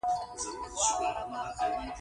خپل بوټونه یې په پټو کې پیچلي شاته اچولي وه.